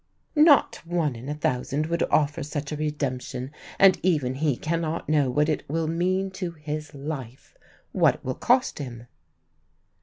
"Not one in a thousand would offer such a redemption. And even he cannot know what it will mean to his life what it will cost him."